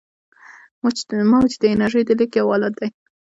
موج د انرژۍ د لیږد یو حالت دی.